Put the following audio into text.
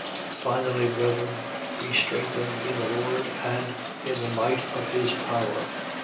6:10. Finally, brethren, be strengthened in the Lord and in the might of his power.